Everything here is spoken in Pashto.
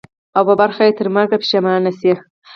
او په برخه یې ترمرګه پښېماني سي